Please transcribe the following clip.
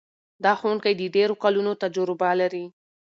دا ښوونکی د ډېرو کلونو تجربه لري.